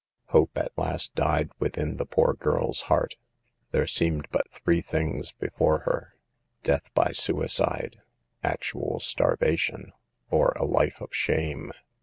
Hope at last died within the poor girl's heart. There seemed but three things before her : Death by suicide, actual starvation or a life of shame.